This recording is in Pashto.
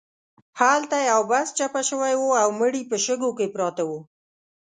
هلته یو بس چپه شوی و او مړي په شګو کې پراته وو.